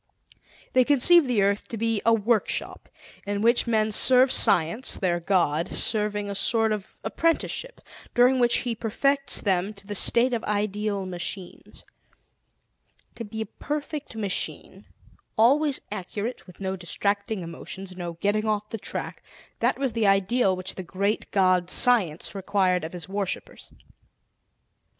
They conceive the earth to be a workshop in which men serve Science, their God, serving a sort of apprenticeship during which He perfects them to the state of ideal machines. To be a perfect machine, always accurate, with no distracting emotions, no getting off the track that was the ideal which the Great God Science required of his worshippers.